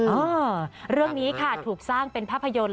เออเรื่องนี้ค่ะถูกสร้างเป็นภาพยนตร์